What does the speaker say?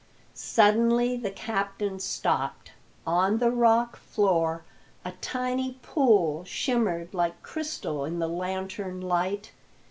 Suddenly the captain stopped. On the rock floor a tiny pool shimmered like crystal in the lantern light.